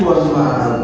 nếu nguồn và lợi nhuận